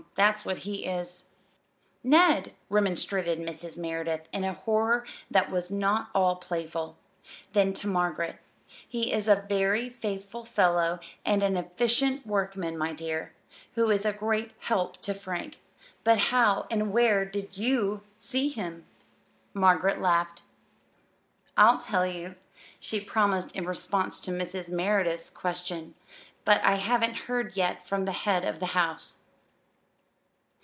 That's what he is." "Ned!" remonstrated Mrs. Merideth in a horror that was not all playful. Then to Margaret: "He is a very faithful fellow and an efficient workman, my dear, who is a great help to Frank. But how and where did you see him?" Margaret laughed. "I'll tell you," she promised in response to Mrs. Merideth's question; "but I haven't heard yet from the head of the house."